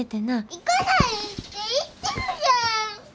行かないって言ってるじゃん！